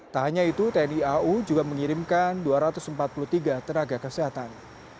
tak hanya itu tni au juga mengirimkan dua ratus empat puluh tiga tenaga kesehatan